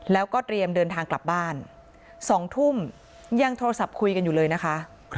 แล้วก็เตรียมเดินทางกลับบ้าน๒ทุ่มยังโทรศัพท์คุยกันอยู่เลยนะคะ